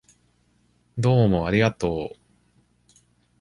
どうもありがとう。